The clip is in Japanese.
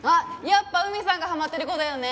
やっぱ梅さんがハマってる子だよね？